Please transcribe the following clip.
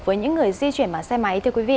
với những người di chuyển xe máy